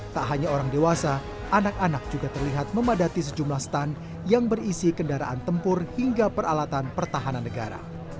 tak hanya orang dewasa anak anak juga terlihat memadati sejumlah stand yang berisi kendaraan tempur hingga peralatan pertahanan negara